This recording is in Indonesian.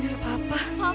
kita ketemu sama apa lagi